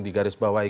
di garis bawah ya